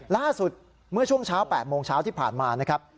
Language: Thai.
ล่าสุดเมื่อช่วงเช้า๘โมงเช้าที่ผ่านมานะครับ